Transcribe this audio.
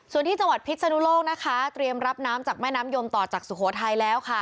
ส่วนที่จังหวัดพิษนุโลกนะคะเตรียมรับน้ำจากแม่น้ำยมต่อจากสุโขทัยแล้วค่ะ